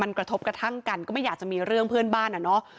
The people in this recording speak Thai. มันกระทบกระทั่งกันก็ไม่อยากจะมีเรื่องเพื่อนบ้านอ่ะเนาะ